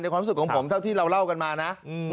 ความรู้สึกของผมเท่าที่เราเล่ากันมานะ